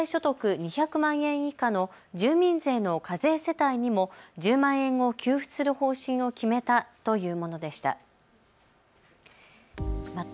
２００万円以下の住民税の課税世帯にも１０万円を給付する方針を決めたというものでした。